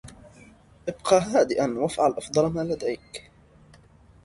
إبقَ هادئاً وافعل أفضلَ ما لديك.